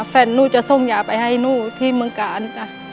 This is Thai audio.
แฟนหนูจะส่งยาไปให้หนูที่เมืองการ